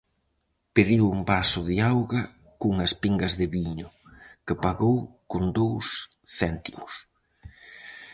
Pediu un vaso de auga cunhas pingas de viño, que pagou con dous céntimos.